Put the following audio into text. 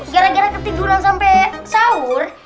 gara gara ketiduran sampai sahur